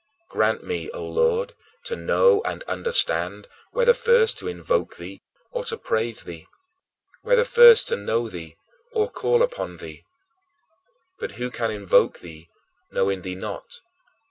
Grant me, O Lord, to know and understand whether first to invoke thee or to praise thee; whether first to know thee or call upon thee. But who can invoke thee, knowing thee not?